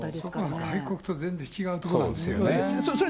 外国と全然違うところなんですよね。